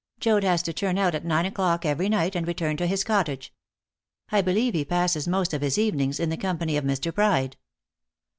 Joad has to turn out at nine o'clock every night and return to his cottage. I believe he passes most of his evenings in the company of Mr. Pride."